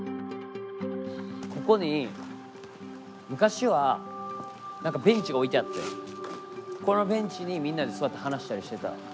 ここに昔は何かベンチが置いてあってこのベンチにみんなで座って話したりしてた。